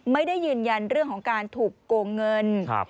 ไม่ได้ยืนยันเรื่องของการถูกโกงเงิน